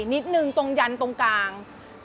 นิดนึงตรงยันตรงกลาง